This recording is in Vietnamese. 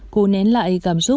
cô nén lại cảm xúc